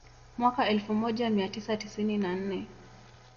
Mwaka elfu moja mia tisa tisini na nne